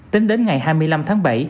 tính đến ngày hai mươi năm tháng bảy